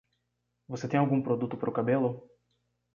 Você tem algum produto para o cabelo?